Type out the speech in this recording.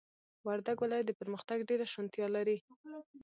وردگ ولايت د پرمختگ ډېره شونتيا لري،